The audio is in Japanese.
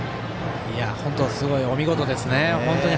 本当、すごいお見事ですね。